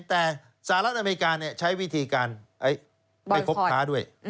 แต่สหรัฐอเมริกาเนี้ยใช้วิธีการเอ้ยไม่ครบค้าด้วยอืม